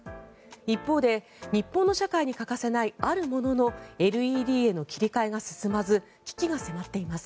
一方で日本の社会に欠かせないあるもののＬＥＤへの切り替えが進まず危機が迫っています。